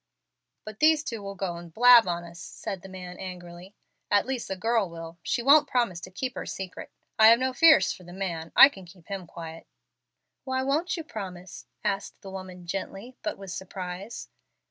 "But these two will go and blab on us," said the man, angrily. "At least the girl will. She won't promise to keep her secret. I have no fears for the man; I can keep him quiet." "Why won't you promise?" asked the woman, gently, but with surprise.